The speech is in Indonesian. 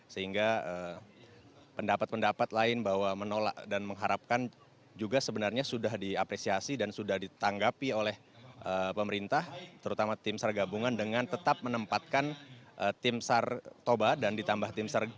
sehingga pendapat pendapat lain bahwa menolak dan mengharapkan juga sebenarnya sudah diapresiasi dan sudah ditanggapi oleh pemerintah terutama tim sargabungan dengan tetap menempatkan tim sar toba dan ditambah tim sar gabungan